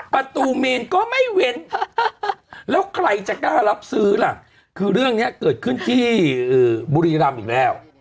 ประตูเมนก็ไม่เว้นแล้วใครจะกล้ารับซื้อล่ะคือเรื่องนี้เกิดขึ้นที่บุรีรำอีกแล้ว